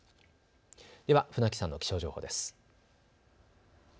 では船木さんの気象情報です。